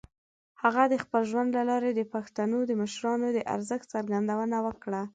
هغه د خپل ژوند له لارې د پښتنو د مشرانو د ارزښت څرګندونه وکړه.